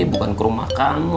bukan ke rumah kamu